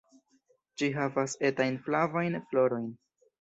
Ĝi havas etajn flavajn florojn.